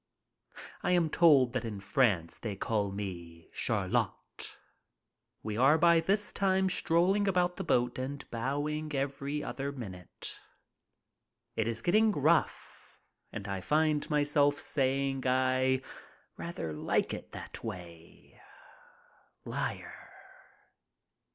I am told that in France they call me Chariot. We are by this time strolling about the boat and bowing every other minute. It is getting rough and I find myself saying I rather like it that way. Liar.